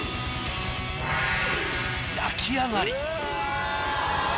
焼き上がり。